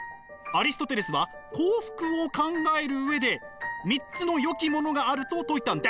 アリストテレスは幸福を考える上で３つの善きものがあると説いたんです。